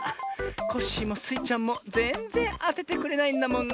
コッシーもスイちゃんもぜんぜんあててくれないんだもんな。